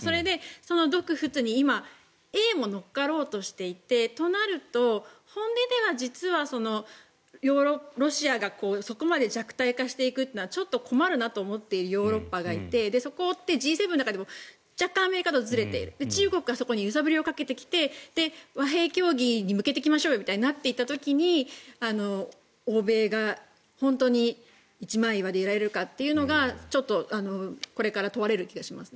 それで独仏に今、英も乗っかろうとしていてとなると、本音では実はロシアがそこまで弱体化しているのはちょっと困るなと思っているヨーロッパがいてそこを、Ｇ７の中でも若干アメリカとずれている中国はそこに揺さぶりをかけてきて和平協議をしていきましょうとなった時に欧米が本当に一枚岩でいられるかっていうのがちょっとこれから問われる気がします。